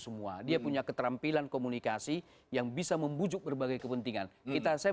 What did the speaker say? semua dia punya keterampilan komunikasi yang bisa membujuk berbagai kepentingan kita saya